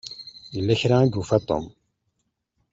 Yella kra i yufa Tom.